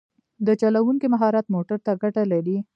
د چلوونکي مهارت موټر ته ګټه لري.